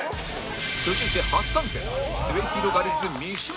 続いて初参戦